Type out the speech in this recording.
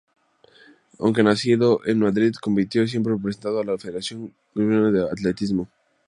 Aunque nacido en Madrid compitió siempre representando a la Federación Guipuzcoana de Atletismo.